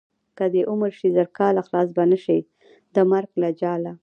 که دې عمر شي زر کاله خلاص به نشې د مرګ له جاله.